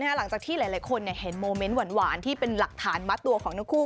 หลังจากที่หลายคนเห็นโมเมนต์หวานที่เป็นหลักฐานมัดตัวของทั้งคู่